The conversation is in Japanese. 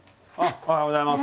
おはようございます。